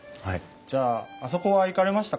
じゃああそこは行かれましたか？